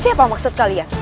siapa maksud kalian